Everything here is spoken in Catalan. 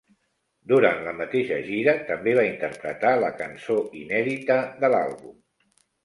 Durant la mateixa gira també va interpretar la cançó inèdita de l'àlbum.